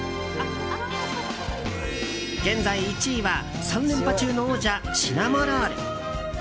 現在１位は３連覇中の王者シナモロール。